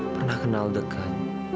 pernah kenal dekat